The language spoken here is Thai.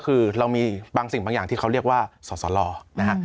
คือเรามีบางสิ่งบางอย่างที่เขาเรียกว่าสอสลนะฮะ